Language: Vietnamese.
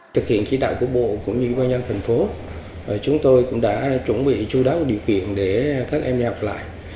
thực hiện chỉ đạo của bộ cũng như quan nhân thành phố chúng tôi cũng đã chuẩn bị chú đáo điều kiện để các em đi học lại